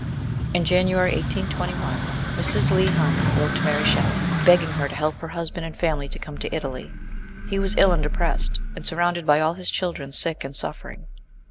In January 1821, Mrs. Leigh Hunt wrote to Mary Shelley, begging her to help her husband and family to come to Italy he was ill and depressed, and surrounded by all his children sick and suffering.